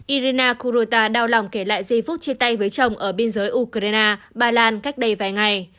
irina dukhuta đau lòng kể lại giây phút chia tay với chồng ở biên giới ukraine bà lan cách đây vài ngày